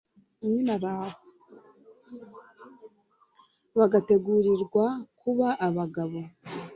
bagategurirwa kuba abagabo